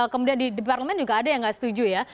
kemudian di deparlement juga ada yang gak setuju ya